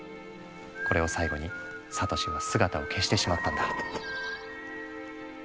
これを最後にサトシは姿を消してしまったんだ。